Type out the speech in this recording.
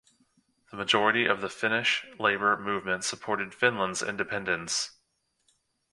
The majority of the Finnish labor movement supported Finland's independence.